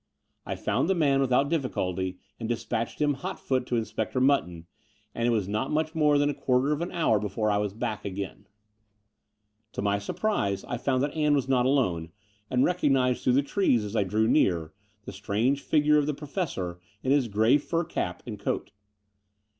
I found the man without diflBcolty and dis patched him hotfoot to Inspector Mutton ; and it was not much more than a quarter of an hour before I was back again. To my surprise I fotmd that Ann was not alone, and recognized through the trees, as I drew near, the strange figure of the Professor in his grey fur cap and coat.